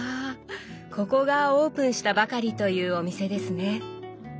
ここがオープンしたばかりというお店ですね。